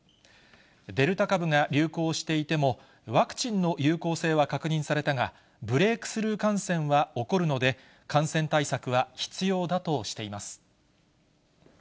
デルタ株が流行していても、ワクチンの有効性は確認されたが、ブレークスルー感染は起こるので、感染対策は必要だとしています。